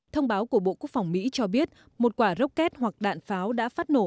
thông báo của bộ quốc phòng mỹ cho biết một quả rocket hoặc đạn pháo đã phát nổ